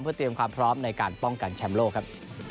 เพื่อเตรียมความพร้อมในการป้องกันแชมป์โลกครับ